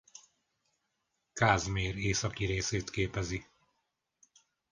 Kázmér északi részét képezi.